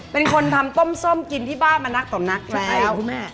มีคนทำต้มส้มกินที่บ้านมานักต่อนักแล้ว